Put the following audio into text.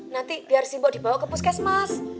nanti biar si mbok dibawa ke puskesmas